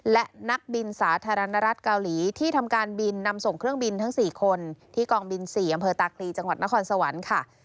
และนักบินสาธารณรัฐเกาหลีที่ทำการบินนำส่งเครื่องบินทั้ง๔คนที่กองบิน๔อำเภอตาคลีจังหวัดนครสวรรค์ค่ะ